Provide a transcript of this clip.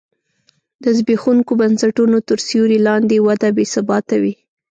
د زبېښونکو بنسټونو تر سیوري لاندې وده بې ثباته وي.